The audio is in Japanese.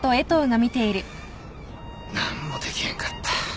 何もできへんかった。